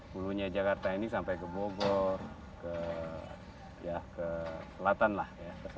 hulunya jakarta ini sampai ke bogor ke selatan lah